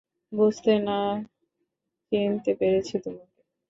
বুঝতে না চিনতে পেরেছি তোমাকে।